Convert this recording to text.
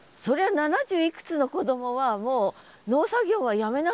７０いくつの子どもはもう農作業はやめなさいって。